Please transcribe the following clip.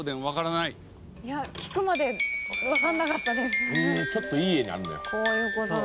いや聞くまでわからなかったです。